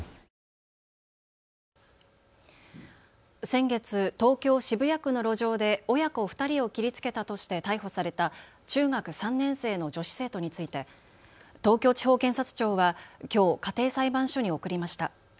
先月、東京渋谷区の路上で親子２人を切りつけたとして逮捕された中学３年生の女子生徒について東京地方検察庁はきょう家庭裁判所に送りました。